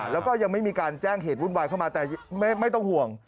แล้วก็ยังไม่มีการแจ้งเหตุวุ่นวายเข้ามาแต่ไม่ต้องห่วง